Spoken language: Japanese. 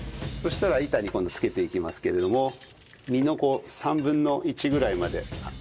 そしたら板に付けていきますけれども身のこう３分の１ぐらいまで。